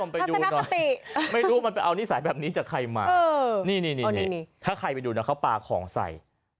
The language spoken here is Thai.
ปรับถ้าจริงเนาคติ